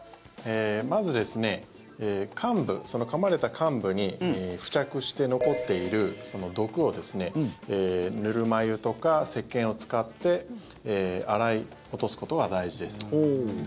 まずですね、患部かまれた患部に付着して残っている毒をぬるま湯とかせっけんを使って洗い落とすことが大事です。